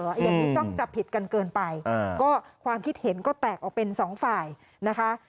อย่างที่จ้องจับผิดกันเกินไปก็ความคิดเห็นก็แตกออกเป็นสองฝ่ายนะคะ